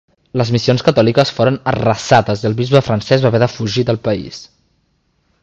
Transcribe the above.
Les missions catòliques foren arrasades i el bisbe francès va haver de fugir del país.